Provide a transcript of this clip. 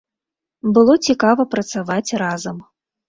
Было цікава працаваць разам.